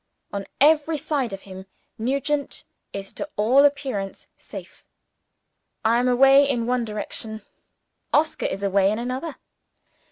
On every side of him, Nugent is, to all appearance, safe. I am away in one direction. Oscar is away in another.